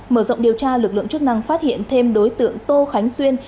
mở rộng điều tra lực lượng chức năng phát hiện thêm đối tượng tô khánh xuyên